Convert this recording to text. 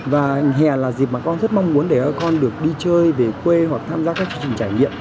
và hè là dịp mà con rất mong muốn để các con được đi chơi về quê hoặc tham gia các chương trình trải nghiệm